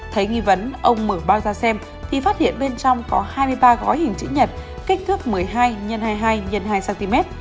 thấy nghi vấn ông mở bao ra xem thì phát hiện bên trong có hai mươi ba gói hình chữ nhật kích thước một mươi hai x hai mươi hai x hai cm